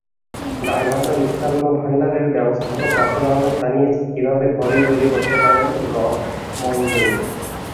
গাইবান্ধা মিষ্টান্ন ভান্ডারের ব্যবস্থাপক রাশেদ আহমেদ জানিয়েছেন কীভাবে ঘরেই তৈরি করতে পারবেন রসমঞ্জরি।